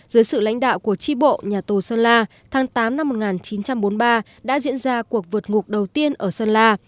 dưới sự lãnh đạo của tri bộ nhà tù sơn la tháng tám năm một nghìn chín trăm bốn mươi ba đã diễn ra cuộc vượt ngục đầu tiên ở sơn la